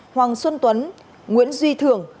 hoàng xuân tuấn nguyễn duy thường